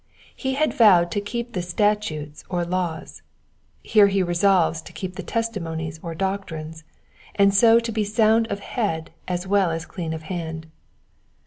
He had vowed to keep the statutes or laws, here he resolves to keep the testi monies or doctrines, and so to be sound of head as well as clean of hand.